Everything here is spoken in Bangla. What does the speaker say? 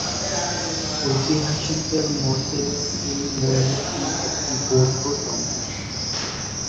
ঐতিহাসিকদের মতে এই মন্দিরটি একটি বৌদ্ধসংঘ।